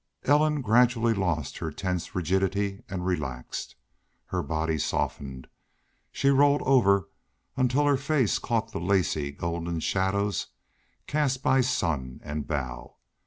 Ellen gradually lost her tense rigidity and relaxed. Her body softened. She rolled over until her face caught the lacy, golden shadows cast by sun and bough.